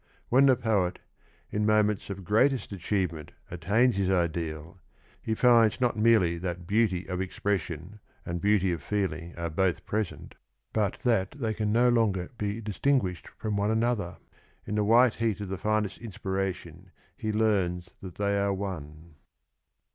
When the poet, in moments of greatest achievement attains his ideal, he finds not merely that beauty of expression and beauty of feeling are both present, but that they can no longer be distinguished from one another; in the white heat of the finest inspiration he learns that they are one.